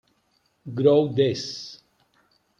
Growth Des.